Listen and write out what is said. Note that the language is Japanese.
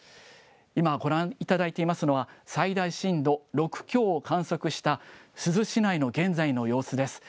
今ご覧いただいていますのは、最大震度６強を観測した珠洲市内の現在の様子です。